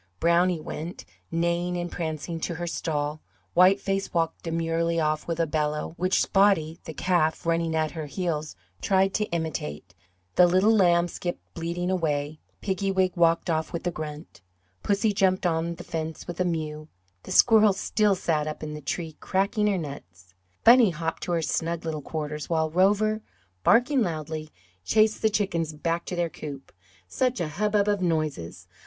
Brownie went, neighing and prancing, to her stall, White Face walked demurely off with a bellow, which Spotty, the calf, running at her heels, tried to imitate; the little lamb skipped bleating away; Piggywig walked off with a grunt; Pussy jumped on the fence with a mew; the squirrel still sat up in the tree cracking her nuts; Bunny hopped to her snug little quarters; while Rover, barking loudly, chased the chickens back to their coop. Such a hubbub of noises!